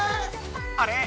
あれ？